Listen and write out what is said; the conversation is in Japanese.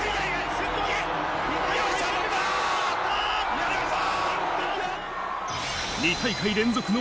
やりました！